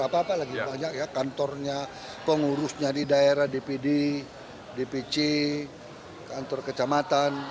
apa apa lagi banyak ya kantornya pengurusnya di daerah dpd dpc kantor kecamatan